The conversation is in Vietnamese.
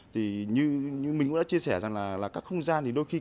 thì như mình cũng đã chia sẻ rằng là các không gian thì đôi khi